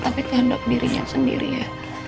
tapi kehendak dirinya sendiri ya